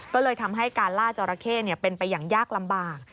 ก็เลยทำให้การล่าจอราเข้เป็นไปอย่างยากลำบาก